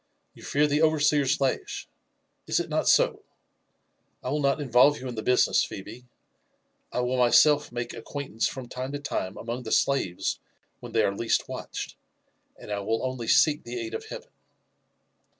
You fear the overseer's lash — is it not so t I will not involve you in the business, Phebe ; I will myself make ac quaintance from time to time among the slaves when they are least watched — ^and I will only seek the aid of Heaven."